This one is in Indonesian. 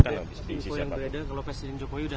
pak jokowi yang berada kalau pak jokowi sudah